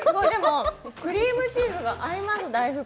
クリームチーズが合います、大福に。